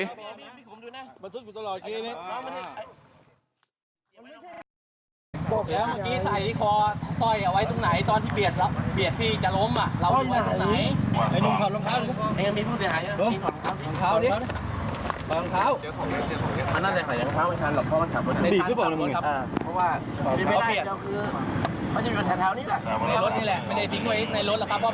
แล้วเมื่อกี้ใส่ซอยเอาไว้ตรงไหนตอนที่เปรียบระแปรก